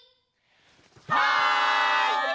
はい！